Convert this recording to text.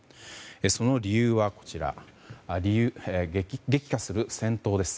その理由は激化する戦闘です。